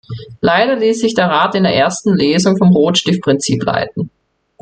Leider ließ sich der Rat in der ersten Lesung vom Rotstiftprinzip leiten.